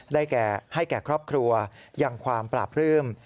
ได้แก่ให้แก่ครอบครัวอย่างความปราบรึ้ม